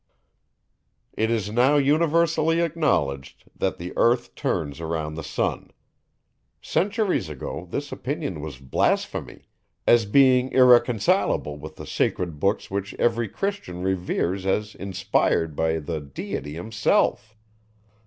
It is now universally acknowledged, that the earth turns round the sun. Centuries ago, this opinion was blasphemy, as being irreconcileable with the sacred books which every Christian reveres as inspired by the Deity himself.